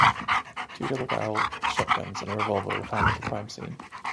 Two double-barrel shotguns and a revolver were found at the crime scene.